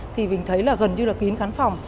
thì mình thấy là gần như là kín khán phòng